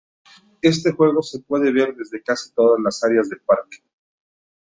Este juego se puede ver desde casi todas las áreas del parque.